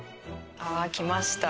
きました。